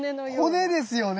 骨ですよね。